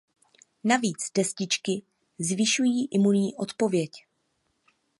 Navíc destičky zvyšují imunitní odpověď.